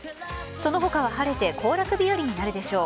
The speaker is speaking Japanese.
その他は晴れて行楽日和になるでしょう。